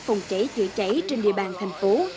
phòng chảy chữa chảy trên địa bàn thành phố